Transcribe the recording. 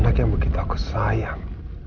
anak yang begitu aku sayang